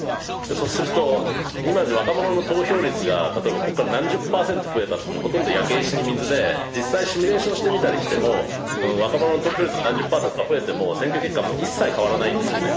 そうすると今の若者の投票率が例えばここから何十パーセント増えたってもうほとんど焼け石に水で実際にシミュレーションしてみたりしても若者の投票率が何十パーセントか増えても選挙結果もう一切変わらないんですよね。